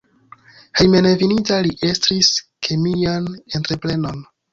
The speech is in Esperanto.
Hejmenveninta li estris kemian entreprenon.